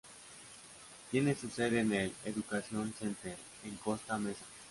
Tiene su sede en el "Education Center" en Costa Mesa.